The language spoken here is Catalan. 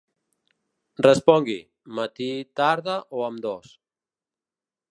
Respongui: matí, tarda o ambdòs.